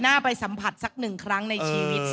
ไปสัมผัสสักหนึ่งครั้งในชีวิต